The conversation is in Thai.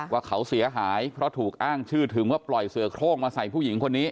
ว่าเขาเสียหายเพราะถูกอ้างชื่อถึงว่าปล่อยเสือโครงมาใส่ผู้หญิงคนนี้